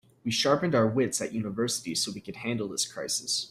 We sharpened our wits at university so we could handle this crisis.